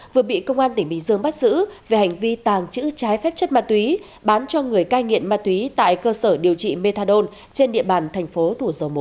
vừa bị công an tỉnh bình dương bắt giữ về hành vi tàng trữ trái phép chất ma túy bán cho người cai nghiện ma túy tại cơ sở điều trị methadone trên địa bàn thành phố thủ dầu một